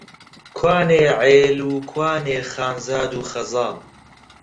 کوانێ عێل و، کوانێ خانزاد و خەزاڵ؟!